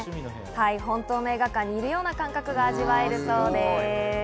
本当の映画館にいるような感覚が味わえるそうです。